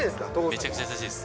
めちゃくちゃ優しいです。